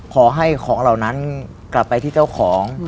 ขอให้ของเหล่านั้นกลับไปที่เจ้าของ